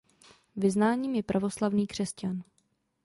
Vyznáním je pravoslavný křesťan.